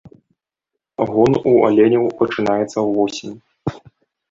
Гон у аленяў пачынаецца ўвосень.